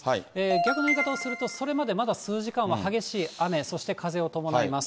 逆の言い方をするとそれまでまだ数時間は激しい雨、そして風を伴います。